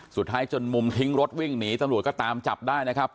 จนมุมทิ้งรถวิ่งหนีตำรวจก็ตามจับได้นะครับ